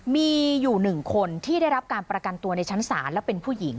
มีอยู่๑คนที่ได้รับการประกันตัวในชั้นศาลและเป็นผู้หญิง